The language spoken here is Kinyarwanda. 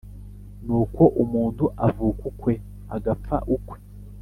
nkuko umuntu avuka ukwe, agapfa ukwe